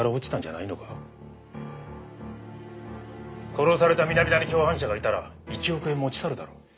殺された南田に共犯者がいたら１億円持ち去るだろ。